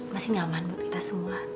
masih nyaman buat kita semua